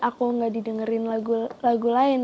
aku gak didengerin lagu lain